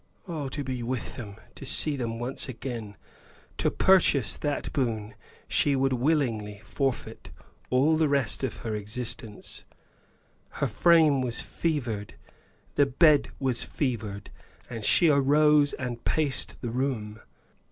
Oh! To be with them! To see them once again! To purchase that boon, she would willingly forfeit all the rest of her existence. Her frame was fevered; the bed was fevered; and she arose and paced the room.